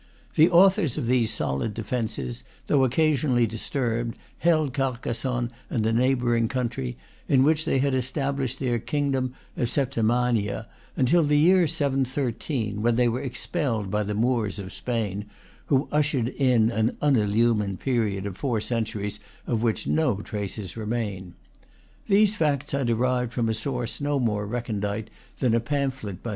The authors of these solid defences, though occasionally disturbed, held Carcassonne and the neighboring coun try, in which they had established their kingdom of Septimania, till the year 713, when they were expelled by the Moors of Spain, who ushered in an unillumined period of four centuries, of which no traces remain. These facts I derived from a source no more recondite than a pamphlet by M.